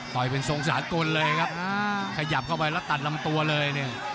ต่อยเป็นส่วงสาหกลเลยครับขยับเข้าไปแล้วตัดลำตัวเลย